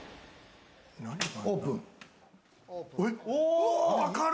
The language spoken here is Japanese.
オープン。